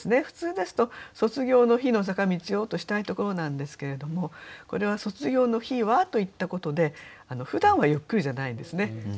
普通ですと「卒業の日の坂道を」としたいところなんですけれどもこれは「卒業の日は」と言ったことでふだんはゆっくりじゃないんですね。